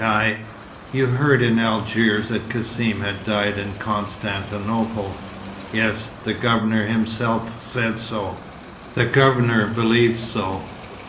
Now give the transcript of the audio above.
I " "You heard in Algiers that Cassim had died in Constantinople?" "Yes. The Governor himself said so." "The Governor believes so.